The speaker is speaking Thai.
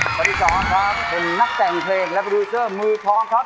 สวัสดีค่ะครับเป็นนักแต่งเพลงและโปรดิวเซอร์มือพร้อมครับ